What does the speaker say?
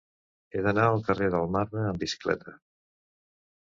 He d'anar al carrer del Marne amb bicicleta.